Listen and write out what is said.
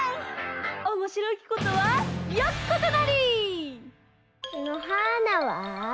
「おもしろきことはよきことなり」！のはーなは？